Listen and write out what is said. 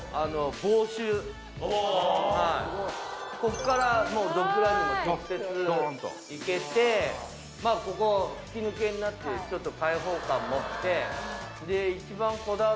ここからもうドッグランにも直接行けてここ吹き抜けになってちょっと開放感も。